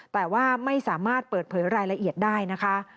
แต่ว่าไม่สามารถเปิดเผยรายละเอียดได้นะคะ